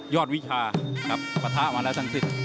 ยอดวิชาครับประทะมาแล้วทั้งสิบ